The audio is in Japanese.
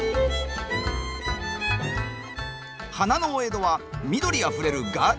花のお江戸は緑あふれるガーデニングシティー。